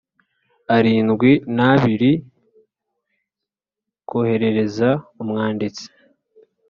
Irindwi N Abiri Koherereza Umwanditsi